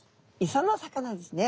磯の魚ですね。